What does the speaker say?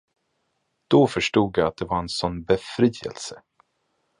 Då förstod jag att det var en sådan befrielse.